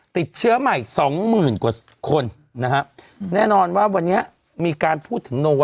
ติดเชื้อใหม่สองหมื่นกว่าคนนะฮะแน่นอนว่าวันนี้มีการพูดถึงโน